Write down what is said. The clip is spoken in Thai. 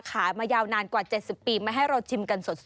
มายาวนานกว่า๗๐ปีมาให้เราชิมกันสด